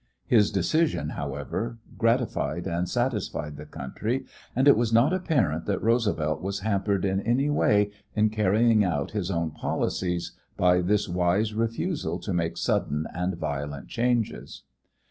His decision, however, gratified and satisfied the country and it was not apparent that Roosevelt was hampered in any way in carrying out his own policies by this wise refusal to make sudden and violent changes.